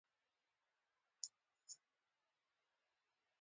په پرمختللو بکټریاوو کې حجره په عرضاني ډول ویشل کیږي.